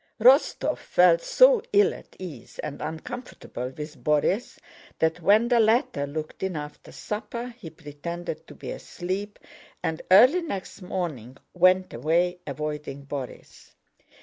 Rostóv felt so ill at ease and uncomfortable with Borís that, when the latter looked in after supper, he pretended to be asleep, and early next morning went away, avoiding Borís.